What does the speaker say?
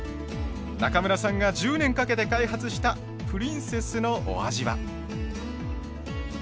中村さんが１０年かけて開発したプリンセスのお味は？